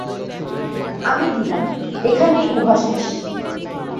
আমি দিলাম, এখানেই উহা শেষ।